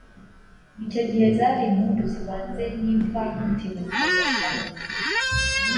Icyo gihe zari impundu zivanze n’imvamutima ku bafana